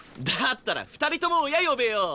だったら２人とも親呼べよ。